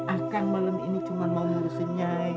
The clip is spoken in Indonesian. akang malam ini cuma mau nyurusin nyai